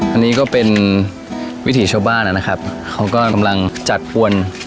อันนี้ก็เป็นวิถีชาวบ้านนะครับเขาก็กำลังจัดปวน